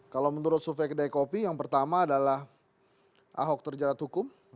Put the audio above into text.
kalau menurut sufek dekopi yang pertama adalah ahok terjerat hukum